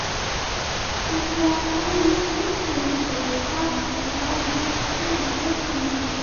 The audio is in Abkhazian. Измааноу изымдырӡо, уахак Пахәала мыцхәы игәы ҭынчым.